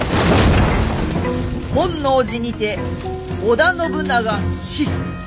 本能寺にて織田信長死す。